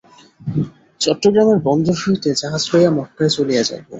চট্টগ্রামের বন্দর হইতে জাহাজ লইয়া মক্কায় চলিয়া যাইব।